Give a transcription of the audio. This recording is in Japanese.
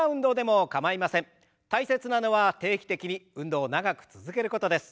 大切なのは定期的に運動を長く続けることです。